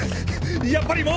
やっぱりもう。